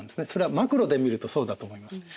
それはマクロで見るとそうだと思います。